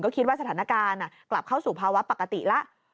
คิดว่าสถานการณ์กลับเข้าสู่ภาวะปกติแล้ว